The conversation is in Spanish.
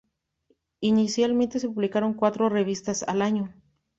Inicialmente se publicaban cuatro revistas al año.